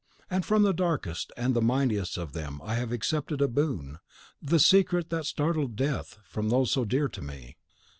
And from the darkest and mightiest of them I have accepted a boon, the secret that startled Death from those so dear to me.